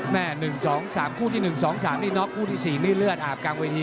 ๑๒๓คู่ที่๑๒๓นี่น็อกคู่ที่๔นี่เลือดอาบกลางเวที